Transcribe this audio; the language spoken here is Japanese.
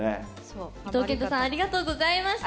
伊東健人さんありがとうございました。